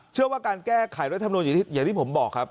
เชื่อว่าการแก้ไขรัฐธรรมนูนอย่างที่ผมบอกครับ